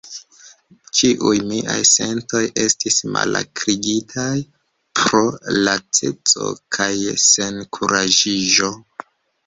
Ĉiuj miaj sentoj estis malakrigitaj pro laceco kaj senkuraĝiĝo.